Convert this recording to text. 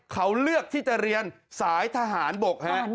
เขาเลือกที่จะเรียนสายทหารบกฮะ